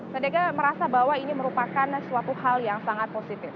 sendeka merasa bahwa ini merupakan suatu hal yang sangat positif